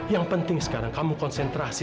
yang penting sekarang kamu konsentrasi